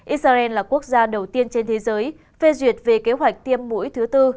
israel là quốc gia đầu tiên trên thế giới phê duyệt về kế hoạch tiêm mũi thứ tư